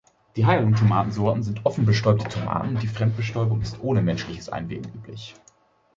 Die Heirloom Tomatensorten sind offen bestäubte Tomaten und die Fremdbestäubung ist ohne menschliches Einwirken üblich.